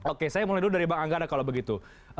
oke saya mulai dulu dari bang anggara kalau begitu